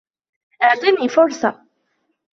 اعطني فرصة!